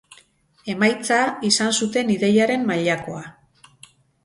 Emaitza, izan zuten ideiaren mailakoa.